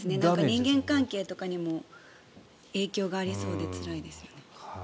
人間関係とかにも影響がありそうでつらいですよね。